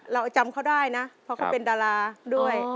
เราจำเขาได้นะเพราะเขาเป็นดาราด้วย